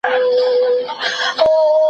په ټاکلي وخت کې د ژوند بدلون هم پرمختيا ده.